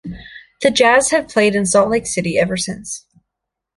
The Jazz have played in Salt Lake City ever since.